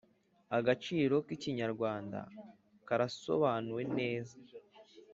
agaciro k’Ikinyarwanda karasobanuwe neza